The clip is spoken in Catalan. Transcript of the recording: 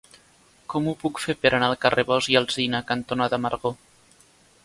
Com ho puc fer per anar al carrer Bosch i Alsina cantonada Amargor?